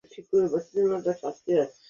Doctor ফিরে এসেছে।